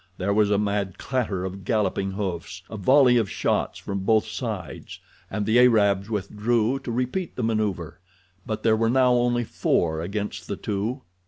There was a mad clatter of galloping hoofs, a volley of shots from both sides, and the Arabs withdrew to repeat the maneuver; but there were now only four against the two.